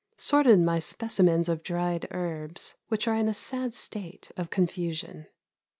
Sorted my specimens of dried herbs, which are in a sad state of confusion.